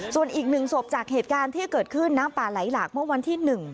ส่วนอีก๑ศพจากเหตุการณ์ที่เกิดขึ้นน้ำป่าไหลหลากเมื่อวันที่๑